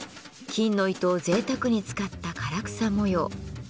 金の糸をぜいたくに使った唐草模様。